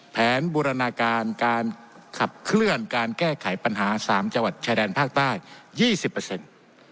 บูรณาการการขับเคลื่อนการแก้ไขปัญหาสามจังหวัดชายแดนภาคใต้ยี่สิบเปอร์เซ็นต์